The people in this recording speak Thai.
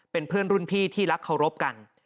เป็นเพื่อนรุ่นพี่ที่รักเคารพกัน